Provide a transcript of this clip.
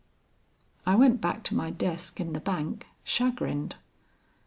"I went back to my desk in the bank, chagrined.